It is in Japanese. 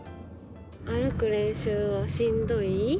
歩く練習はしんどい？